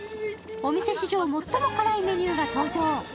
お店史上最も辛いメニューが登場。